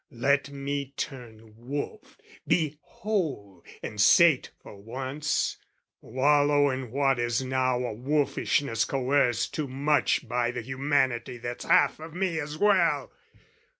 Let me turn wolf, be whole, and sate, for once, Wallow in what is now a wolfishness Coerced too much by the humanity That's half of me as well!